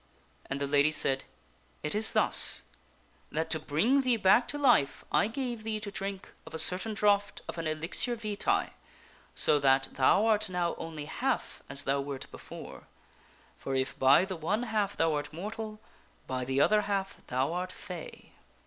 " And the lady said, " It is thus : that to bring thee back to life I gave thee to drink of a certain draught of an elixir vita so that thou art now only half as thou wert before ; for if by the one half thou art mortal, by the other half thou art fay.